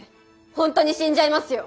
本当に死んじゃいますよ？